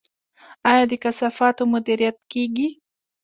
آیا د کثافاتو مدیریت کیږي؟